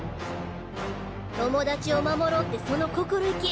友達を守ろうってその心意気。